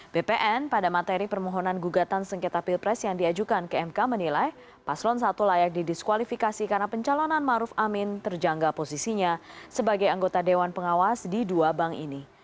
bpn pada materi permohonan gugatan sengketa pilpres yang diajukan ke mk menilai paslon satu layak didiskualifikasi karena pencalonan maruf amin terjangga posisinya sebagai anggota dewan pengawas di dua bank ini